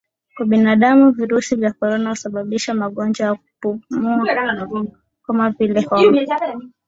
Kwa binadamu virusi vya korona husababisha magonjwa ya kupumua kama vile homa